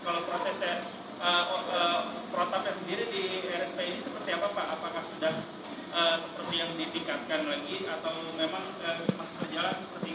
apakah sudah seperti yang dipikatkan lagi